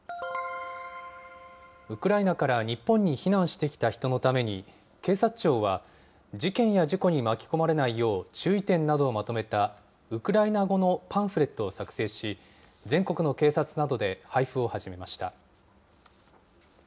ウクライナから日本に避難してきた人のために、警察庁は事件や事故に巻き込まれないよう、注意点などをまとめたウクライナ語のパンフレットを作成し、全国の警察などで配布を始めました。